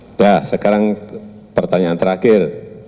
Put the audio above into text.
udah sekarang pertanyaan terakhir